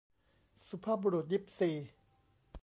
สุภาพบุรุษยิปซี